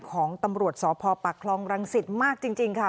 ของตำรวจสสปครองรังศิษย์มากจริงค่ะ